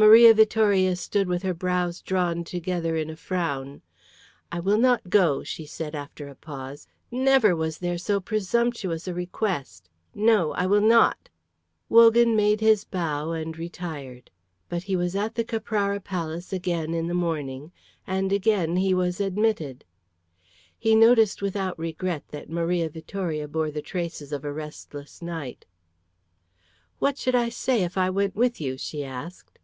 Maria Vittoria stood with her brows drawn together in a frown. "I will not go," she said after a pause. "Never was there so presumptuous a request. No, I will not." Wogan made his bow and retired. But he was at the Caprara Palace again in the morning, and again he was admitted. He noticed without regret that Maria Vittoria bore the traces of a restless night. "What should I say if I went with you?" she asked.